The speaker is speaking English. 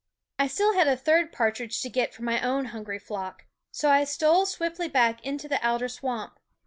I had still a third partridge to get for my own hungry flock; so I stole swiftly back into the alder swamp.